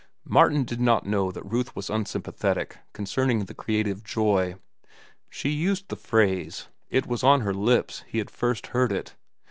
Martin did not know that Ruth was unsympathetic concerning the creative joy. She used the phrase—it was on her lips he had first heard it.